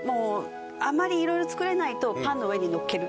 あまり色々作れないとパンの上にのっける。